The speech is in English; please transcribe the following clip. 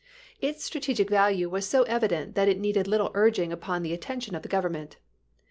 Its strategic value was so evident that it needed little urging upon the at tention of the Government.